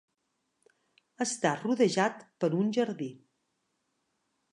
Està rodejat per un jardí.